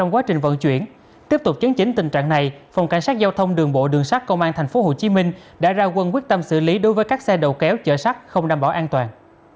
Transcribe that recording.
khi tiếp tục chấn chính tình trạng này phòng cảnh sát giao thông đường bộ đường sắt công an tp hcm đã ra quân quyết tâm xử lý đối với các xe đầu kéo chở sắt không đảm bảo an toàn